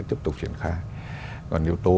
tiếp tục triển khai còn yếu tố